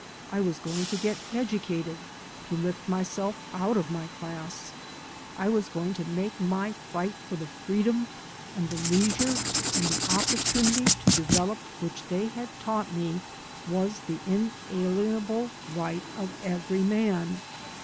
I was going to get educated, to lift myself out of my class. I was going to make my fight for the freedom and the leisure and the opportunity to develop which they had taught me was the inalienable right of every man.